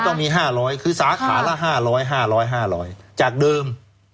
ก็ต้องมีห้าร้อยคือสาขาละห้าร้อยห้าร้อยห้าร้อยจากเดิม